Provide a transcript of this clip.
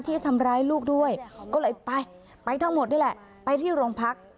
ที่ทำร้ายลูกด้วยก็เลยไปไปทั้งหมดนี่แหละไปที่โรงพัก